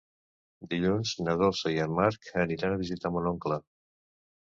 Dilluns na Dolça i en Marc aniran a visitar mon oncle.